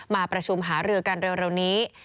มาประชุมหารือกันเร็วนี้